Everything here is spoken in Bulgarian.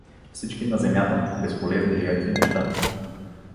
Всички на земята, безполезни жертви не ща.